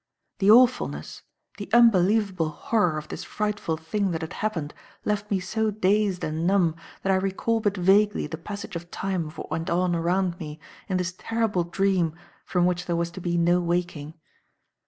The awfulness the unbelievable horror of this frightful thing that had happened left me so dazed and numb that I recall but vaguely the passage of time of what went on around me in this terrible dream from which there was to be no waking.